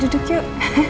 yaudah duduk yuk